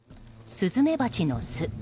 スズメバチの巣。